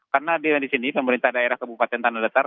karena di sini pemerintah daerah kabupaten tanah datar